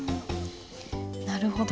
なるほど。